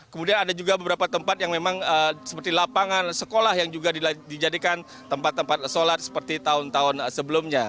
kemudian ada juga beberapa tempat yang memang seperti lapangan sekolah yang juga dijadikan tempat tempat sholat seperti tahun tahun sebelumnya